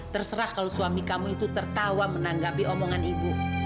terserah kalau suami kamu itu tertawa menanggapi omongan ibu